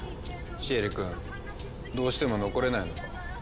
シエリ君どうしても残れないのか。